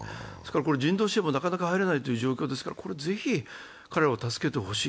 人道支援もなかなか入れないという状況ですが、ぜひ彼らを助けてほしい。